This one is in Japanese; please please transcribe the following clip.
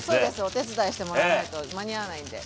お手伝いしてもらわないと間に合わないんで。